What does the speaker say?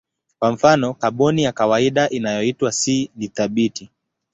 Kwa mfano kaboni ya kawaida inayoitwa C ni thabiti.